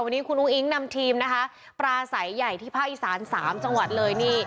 วันนี้คุณอุ้งอิ๊งนำทีมนะคะปลาใสใหญ่ที่ภาคอีสาน๓จังหวัดเลยนี่